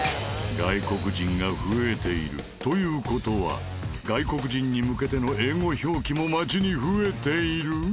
外国人が増えているという事は外国人に向けての英語表記も街に増えている？